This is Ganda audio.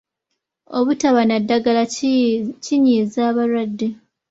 Obutaba na ddagala kinyiiza abalwadde.